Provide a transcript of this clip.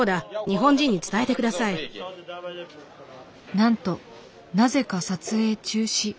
なんとなぜか撮影中止。